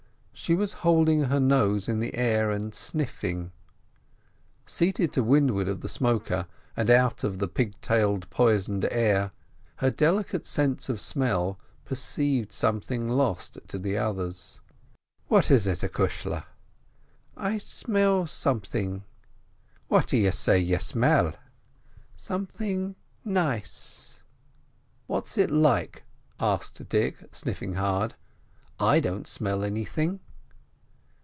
She was holding her nose in the air and sniffing; seated to windward of the smoker, and out of the pigtail poisoned air, her delicate sense of smell perceived something lost to the others. "What is it, acushla?" "I smell something." "What d'ye say you smell?" "Something nice." "What's it like?" asked Dick, sniffing hard. "I don't smell anything."